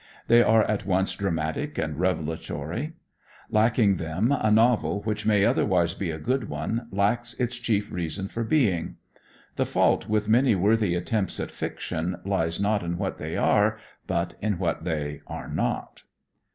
They are at once dramatic and revelatory. Lacking them, a novel which may otherwise be a good one, lacks its chief reason for being. The fault with many worthy attempts at fiction lies not in what they are, but in what they are not.